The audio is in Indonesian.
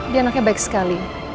dia anaknya baik sekali